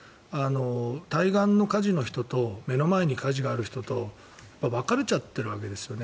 対岸の火事の人と目の前に火事がある人と分かれちゃってるわけですよね。